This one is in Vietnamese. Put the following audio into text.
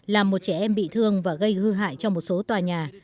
làm một trẻ em bị thương và gây hư hại cho một số tòa nhà